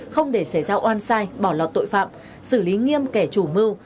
không để xảy ra oan sai bỏ lọt tội phạm xử lý nghiêm kẻ chủ mưu